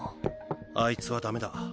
あいつはダメだ。